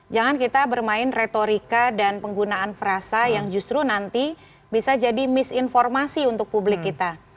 jangan kita bermain retorika dan penggunaan frasa yang justru nanti bisa jadi misinformasi untuk publik kita